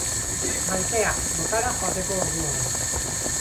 Maitea, lotara joateko ordua da